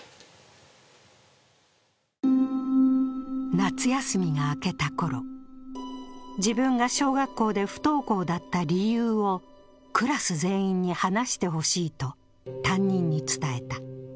夏休みが明けたころ、自分が小学校で不登校だった理由をクラス全員に話してほしいと担任に伝えた。